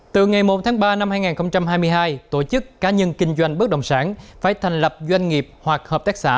từ ngày một tháng ba năm hai nghìn hai mươi hai tổ chức cá nhân kinh doanh bất động sản phải thành lập doanh nghiệp hoặc hợp tác xã